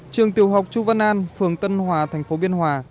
trường tiểu học chu văn an phường tân hòa thành phố biên hòa